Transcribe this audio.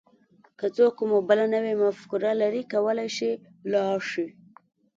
که څوک کومه بله نوې مفکوره لري کولای شي لاړ شي.